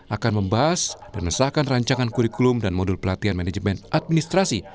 akan membahas dan mengesahkan rancangan kurikulum dan modul pelatihan manajemen administrasi